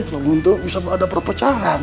sok untuk bisa ada perpecahan